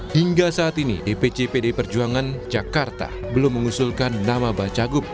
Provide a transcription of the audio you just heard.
hingga saat ini dpc pd perjuangan jakarta belum mengusulkan nama bacagub